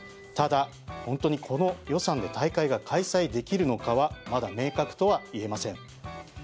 ただ、本当にこの予算で大会が開催できるのかはまだ明確とはいえません。